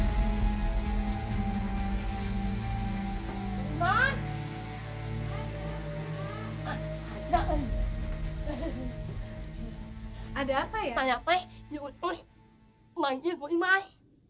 tanya teh diutus manggil gue emot